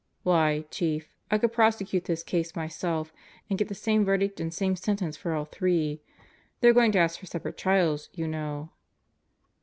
Why, Chief, I could prosecute this case myself and get the same verdict and same sentence for all three. They're going to ask for separate trials, you know."